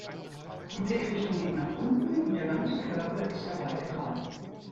Die Blickrichtung geht nach unten und der ganze Körper ist dabei gerade.